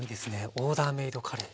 オーダーメードカレー。